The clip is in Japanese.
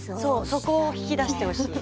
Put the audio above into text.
そこを引き出してほしい。